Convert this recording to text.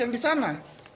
yang di sana